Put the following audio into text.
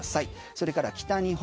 それから北日本。